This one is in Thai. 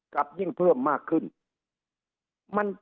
กลับยิ่งเพิ่มมากขึ้น